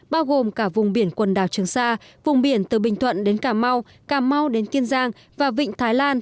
bao gồm cả vùng biển quần đảo trường sa vùng biển từ bình thuận đến cà mau cà mau đến kiên giang và vịnh thái lan